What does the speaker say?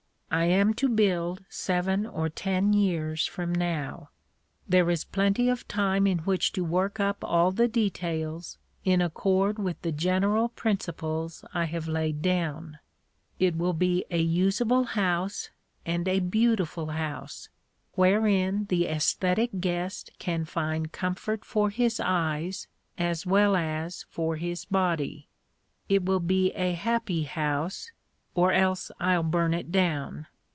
I am to build seven or ten years from now. There is plenty of time in which to work up all the details in accord with the general principles I have laid down. It will be a usable house and a beautiful house, wherein the aesthetic guest can find comfort for his eyes as well as for his body. It will be a happy house or else I'll burn it down.